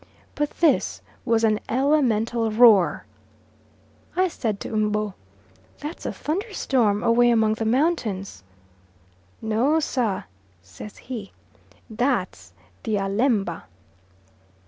But this was an elemental roar. I said to M'bo: "That's a thunderstorm away among the mountains." "No, sir," says he, "that's the Alemba."